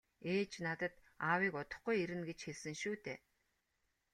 - Ээж надад аавыг удахгүй ирнэ гэж хэлсэн шүү дээ.